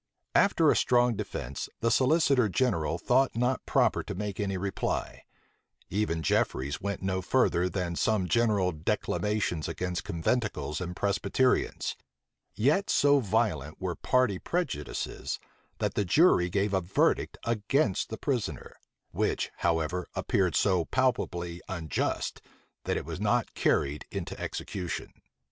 After so strong a defence, the solicitor general thought not proper to make any reply: even Jefferies went no further than some general declamations against conventicles and Presbyterians: yet so violent were party prejudices, that the jury gave a verdict against the prisoner; which, however, appeared so palpably unjust, that it was not carried into execution.